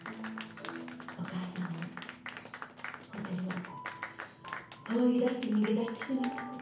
お義母さんをホテルを放り出して逃げ出してしまった事。